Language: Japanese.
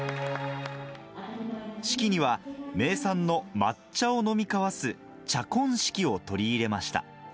式には名産の抹茶を飲み交わす茶婚式を取り入れました。